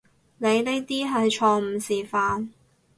你呢啲係錯誤示範